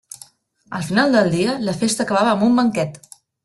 Al final del dia la festa acabava amb un banquet.